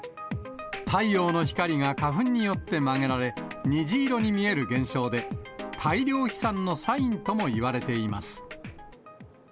太陽の光が花粉によって曲げられ、虹色に見える現象で、大量飛散のサインともいわれています。